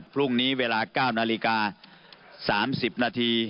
พรุ่งนี้เวลา๐๙๓๐น